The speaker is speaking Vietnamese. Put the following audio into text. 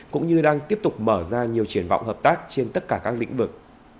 cũng như đang tiếp tục mở ra nhiều triển vọng hợp tác trên tất cả các lĩnh vực